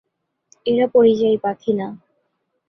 এরা পরিযায়ী পাখি না।